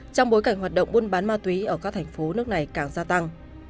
trong bối cảnh hoạt động buôn bán ma túy ở các thành phố nước này càng gia tăng